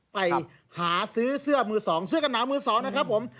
ไปหาซื้อเสื้อมือสองเสื้อกันหนาวมือสองนะครับผม